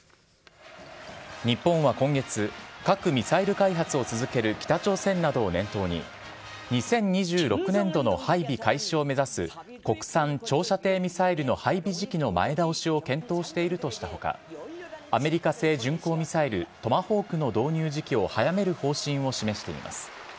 日本は今月、核・ミサイル開発を続ける北朝鮮などを念頭に、２０２６年度の配備開始を目指す国産長射程ミサイルの配備時期の前倒しを検討しているとしたほか、アメリカ製巡航ミサイル、トマホークの導入時期を早める方針を示しています。